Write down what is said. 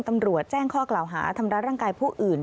ตำรวจแจ้งข้อกล่าวหาทำร้ายร่างกายผู้อื่น